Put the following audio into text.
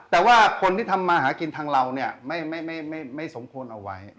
แต่ว่าคนที่ทำมาหากินทางเราเนี่ยไม่สมควรเอาไว้